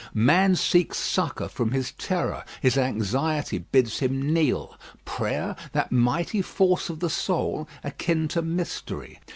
Man seeks succour from his terror; his anxiety bids him kneel. Prayer, that mighty force of the soul, akin to mystery.